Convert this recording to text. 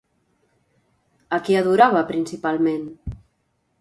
A qui adorava principalment?